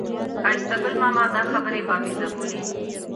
ښایسته ګل ماما دا خبرې بابیزه بولي.